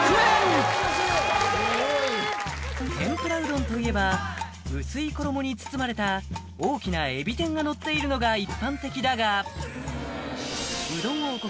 天ぷらうどんといえば薄い衣に包まれた大きなエビ天がのっているのが一般的だがうどん王国